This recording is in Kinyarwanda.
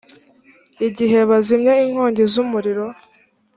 gihe bazimya inkongi z umuriro